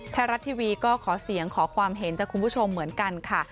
ไทยรัฐทีวีก็ขอเสียงขอความเห็นจากคุณผู้ชมเหมือนกันค่ะ